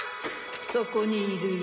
そこにいるよ。